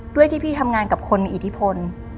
ด้วยที่พี่ทำงานกับคนมีอิทธิพล